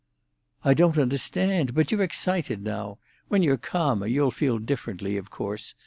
"I don't understand. But you're excited now. When you're calmer you'll feel differently, of course.